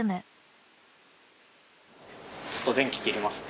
ちょっと電気切りますね。